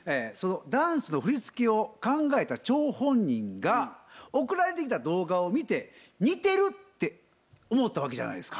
ダンスの振り付けを考えた張本人が送られてきた動画を見て似てるって思ったわけじゃないですか。